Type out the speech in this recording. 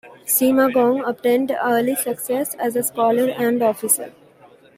Sima Guang obtained early success as a scholar and officer.